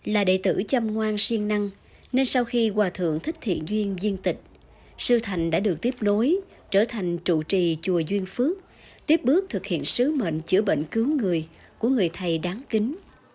là đệ tử chăm ngoan siêng năng nên sau khi hòa thượng thích thiện duyên duyên tịch sư thành đã được tiếp nối trở thành trụ trì chùa duyên phước tiếp bước thực hiện sứ mệnh chữa bệnh cứu người của người thầy đáng kính